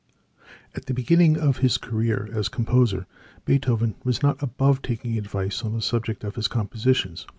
At the beginning of his career as composer, Beethoven was not above taking advice on the subject of his compositions.